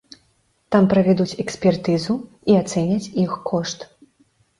Там правядуць экспертызу і ацэняць іх кошт.